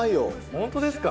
本当ですか？